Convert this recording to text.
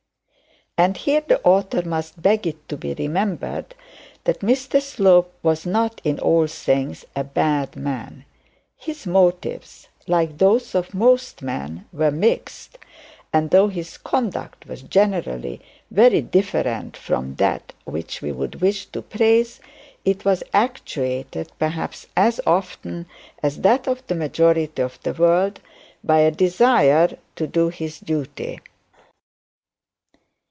And here the author must beg it to be remembered that Mr Slope was not in all things a bad man. His motives, like those of most men, were mixed; and though his conduct was generally very different from that which we would wish to praise, it was actuated perhaps as often as that of the majority of the world by a desire to do his duty.